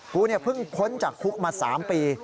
กูเพิ่งพ้นจากคุกมา๓ปี